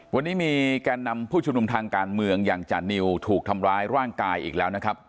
วันนี้มีแกนนำผู้ชุมนุมทางการเมืองอย่างจานิวถูกทำร้ายร่างกายอีกแล้วนะครับ